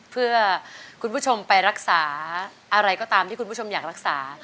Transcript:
เพื่อคุณผู้ชมไปรักษาอะไรก็ตามที่คุณผู้ชมอยากรักษา